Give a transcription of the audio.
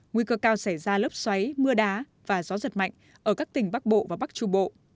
nguy cơ cao xảy ra lốc xoáy mưa đá và gió giật mạnh ở các tỉnh bắc bộ và bắc trung bộ